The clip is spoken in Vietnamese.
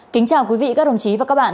kính chào quý vị các đồng chí và các bạn